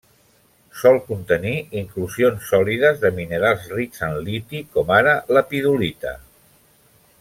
Sol contenir inclusions sòlides de minerals rics en liti com ara lepidolita.